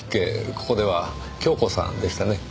ここでは今日子さんでしたね。